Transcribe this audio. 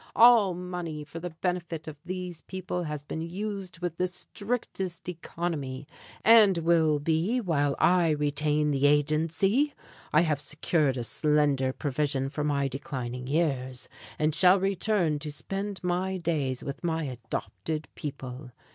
"All money for the benefit of these people has been used with the strictest economy; and will be while I retain the agency. I have secured a slender provision for my declining years, and shall return to spend my days with my adopted people.